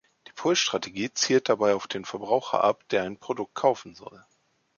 Die Pull-Strategie zielt dabei auf den Verbraucher ab, der ein Produkt kaufen soll.